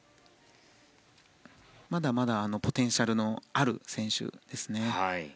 まだまだポテンシャルのある選手ですね。